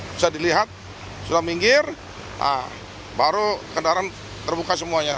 bisa dilihat sudah minggir baru kendaraan terbuka semuanya